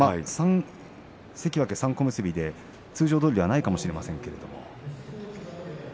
３関脇３小結で通常どおりではないかもしれませんが。